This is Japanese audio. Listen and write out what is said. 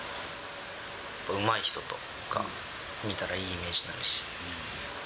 うまい人とか見たら、いいイメージになるし。